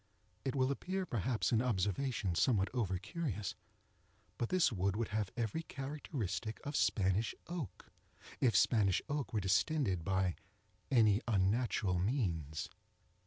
It will appear perhaps an observation somewhat over curious, but this wood would have every characteristic of Spanish oak, if Spanish oak were distended by any unnatural means.